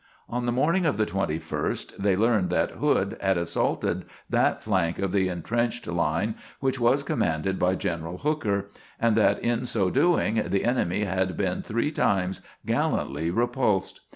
On the morning of the 21st they learned that Hood had assaulted that flank of the intrenched line which was commanded by General Hooker, and that in so doing the enemy had been three times gallantly repulsed.